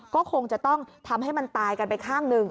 ก็คงจะต้องทำให้มันตายกันไปข้างหนึ่ง